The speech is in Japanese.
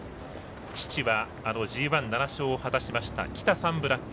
父はＧＩ、７勝を果たしましたキタサンブラック。